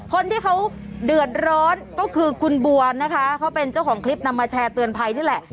คนที่เขาเดือดร้อนก็คือคุณบัวนะคะเขาเป็นเจ้าของคลิปนำมาแชร์เตือนภัยนี่แหละ